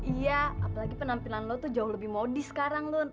iya apalagi penampilan lo tuh jauh lebih modis sekarang lo